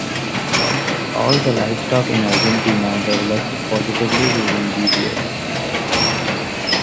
All the livestock in Argentina, developed positively during these years.